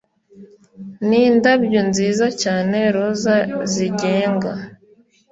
Nindabyo nziza cyane roza zigenga